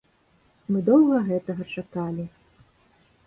Мы доўга гэтага чакалі.